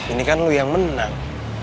ini kan lo yang menang